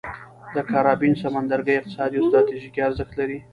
د کارابین سمندرګي اقتصادي او ستراتیژیکي ارزښت لري.